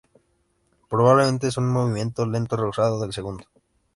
Probablemente es un movimiento lento rehusado del segundo.